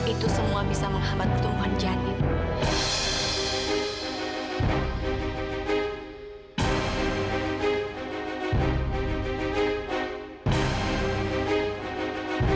itu semua bisa menghambat pertumbuhan janin